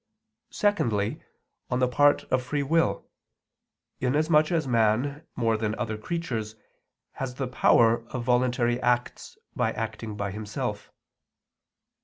Secondly, on the part of free will, inasmuch as man, more than other creatures, has the power of voluntary acts by acting by himself.